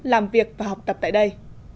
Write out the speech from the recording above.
làm việc và học tập tại đây